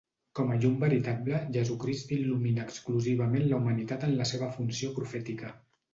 Com a Llum veritable, Jesucrist il·lumina exclusivament la humanitat en la seva funció profètica.